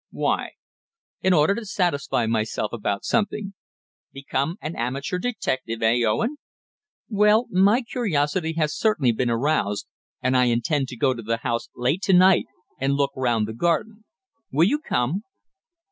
"Why?" "In order to satisfy myself about something." "Become an amateur detective eh, Owen?" "Well, my curiosity has certainly been aroused, and I intend to go to the house late to night and look round the garden. Will you come?"